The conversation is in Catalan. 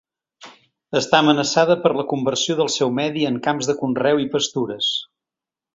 Està amenaçada per la conversió del seu medi en camps de conreu i pastures.